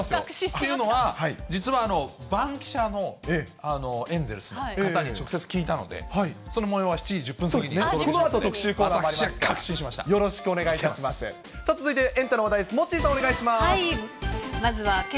というのは、実はバンキシャのエンゼルスの方に直接聞いたので、そのもようは７時１０分過ぎにお届けしますので。